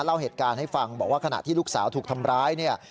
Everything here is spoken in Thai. เล่าเหตุการณ์ให้ฟังบอกว่าขณะที่ลูกสาวถูกทำร้ายเนี่ย